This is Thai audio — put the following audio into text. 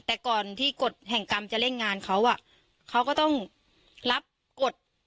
แต่ก่อนที่กฎแห่งกรรมจะเล่นงานเขาอ่ะเขาเขาก็ต้องรับกฎ